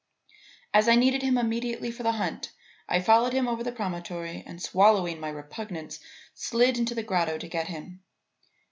As I needed him immediately for the hunt, I followed him over the promontory and, swallowing my repugnance, slid into the grotto to get him.